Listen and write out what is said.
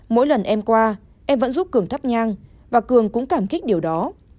mỗi lần em qua em vẫn giúp cường thắp nhang và cường cũng cảm kích điều đó